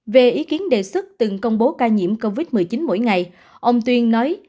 về ý kiến đề xuất từng công bố ca nhiễm covid một mươi chín mỗi ngày ông tuyên nói